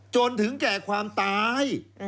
จนถึงแก่ความตาย